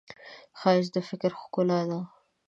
ښایست د فکر ښکلا ده